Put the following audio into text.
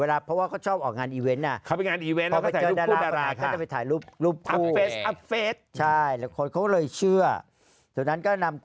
เพราะก็เขาชอบออกงาน